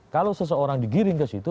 kalau seseorang digiring ke situ